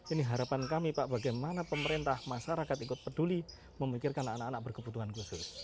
ini harapan kami pak bagaimana pemerintah masyarakat ikut peduli memikirkan anak anak berkebutuhan khusus